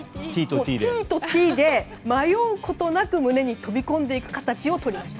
ＴとＴで迷うことなく胸に飛び込んでいく形をとりました。